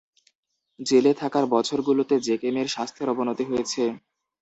জেলে থাকার বছরগুলোতে জেকেমের স্বাস্থ্যের অবনতি হয়েছে।